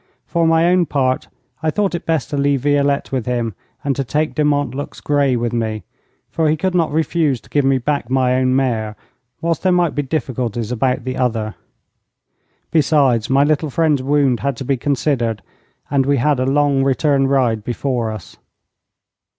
For my own part, I thought it best to leave Violette with him and to take De Montluc's grey with me, for he could not refuse to give me back my own mare, whilst there might be difficulties about the other. Besides, my little friend's wound had to be considered, and we had a long return ride before us.